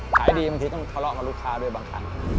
ขายดีบางทีต้องทะเลาะกับลูกค้าด้วยบางครั้ง